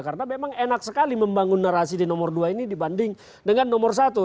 karena memang enak sekali membangun narasi di nomor dua ini dibanding dengan nomor satu